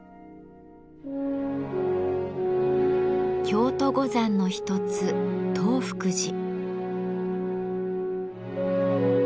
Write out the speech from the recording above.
京都五山の一つ東福寺。